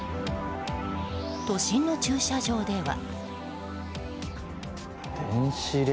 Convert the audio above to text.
都心の駐車場では。